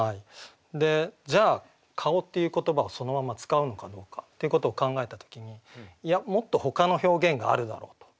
じゃあ「顔」っていう言葉をそのまま使うのかどうかっていうことを考えた時にいやもっとほかの表現があるだろうと。